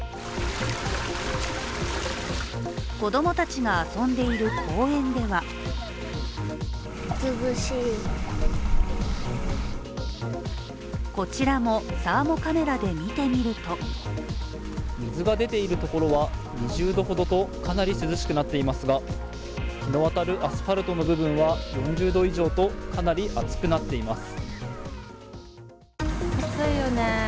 子供たちが遊んでいる公園ではこちらもサーモカメラで見てみると水が出ているところは２０度ほどとかなり涼しくなっていますが、日の当たるアスファルトの部分は４０度以上と、かなり暑くなっています。